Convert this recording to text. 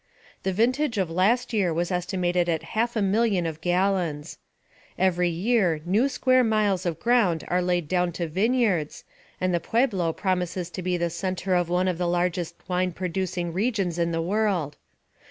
The vintage of last year was estimated at half a million of gallons. Every year new square miles of ground are laid down to vineyards, and the Pueblo promises to be the centre of one of the largest wine producing regions in the world.